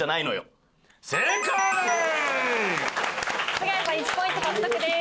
すがやさん１ポイント獲得です。